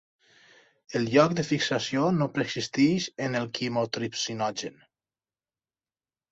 El lloc de fixació no preexisteix en el quimotripsinogen.